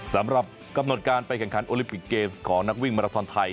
สำหรับกำหนดการไปแข่งขันโอลิปิกเกมส์ของนักวิ่งมาราทอนไทย